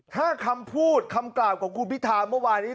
ถ้าคำพูดคำกล่าวของคุณพิธาเมื่อวานี้